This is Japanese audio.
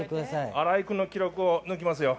荒井君の記録を抜きますよ。